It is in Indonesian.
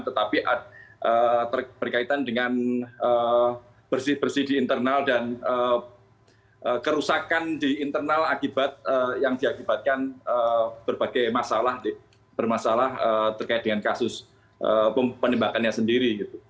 tetapi berkaitan dengan bersih bersih di internal dan kerusakan di internal akibat yang diakibatkan berbagai masalah bermasalah terkait dengan kasus penembakannya sendiri